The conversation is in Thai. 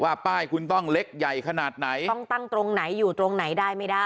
ป้ายคุณต้องเล็กใหญ่ขนาดไหนต้องตั้งตรงไหนอยู่ตรงไหนได้ไม่ได้